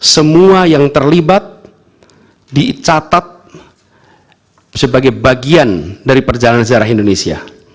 semua yang terlibat dicatat sebagai bagian dari perjalanan sejarah indonesia